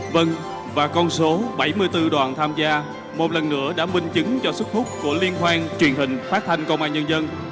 v và con số bảy mươi bốn đoàn tham gia một lần nữa đã minh chứng cho sức hút của liên hoan truyền hình phát thanh công an nhân dân